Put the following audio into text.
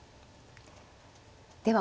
では